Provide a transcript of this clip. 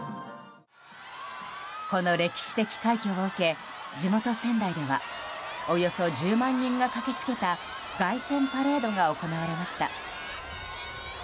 この歴史的快挙を受け地元・仙台ではおよそ１０万人が駆け付けた凱旋パレードが行われました。